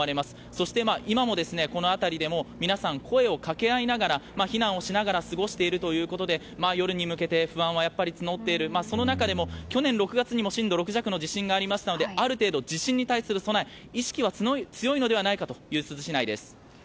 そして、今もこの辺り、皆さん声を掛け合いながら避難をしながら過ごしているということで夜に向けて不安は募っている、その中でも去年６月にも震度６弱の地震がありましたのである程度地震に対する備え意識は強いのではないかという珠洲市内です。